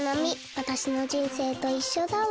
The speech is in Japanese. わたしのじんせいといっしょだわ。